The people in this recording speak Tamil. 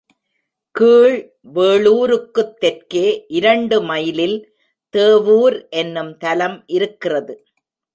கீழ் வேளூருக்குத் தெற்கே இரண்டு மைலில் தேவூர் என்னும் தலம் இருக்கிறது.